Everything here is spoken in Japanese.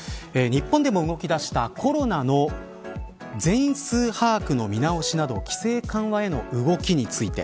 日本でも動き出したコロナの全数把握の見直しなど規制緩和への動きについて。